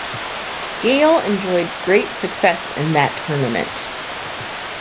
Gayle enjoyed great success in that tournament.